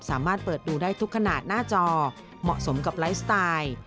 สามารถเปิดดูได้ทุกขนาดหน้าจอเหมาะสมกับไลฟ์สไตล์